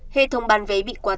hệ thống bàn vé bị quá tải